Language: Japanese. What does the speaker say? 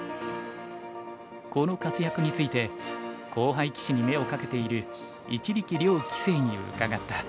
この活躍について後輩棋士に目をかけている一力遼棋聖に伺った。